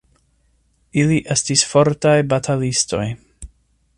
Ili estis fortaj batalistoj.